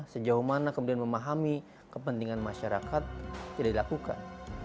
sejauh mana kemudian memahami kepentingan masyarakat tidak dilakukan